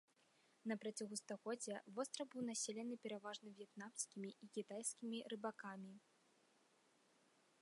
На працягу стагоддзяў востраў быў населены пераважна в'етнамскімі і кітайскімі рыбакамі.